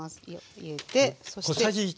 入れてそして。